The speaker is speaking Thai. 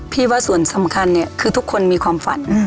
ว่าส่วนสำคัญเนี่ยคือทุกคนมีความฝัน